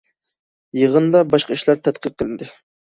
يىغىندا باشقا ئىشلار تەتقىق قىلىندى.